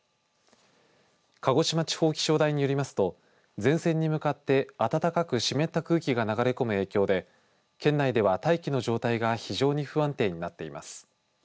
鹿児島市地方気象台によりますと前線に向かって暖かく湿った空気が流れ込む影響で県内では、大気の状態が非常に不安定になっています。